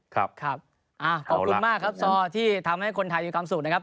ขอบคุณมากครับซอที่ทำให้คนไทยมีความสุขนะครับ